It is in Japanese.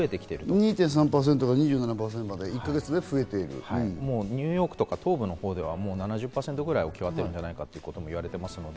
２．３％が２７．６％まで、ニューヨークの東部では、７０％ぐらい置き換わっているんじゃないかといわれています。